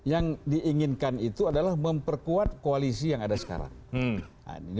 yang diinginkan itu adalah memperkuat koalisi yang ada sekarang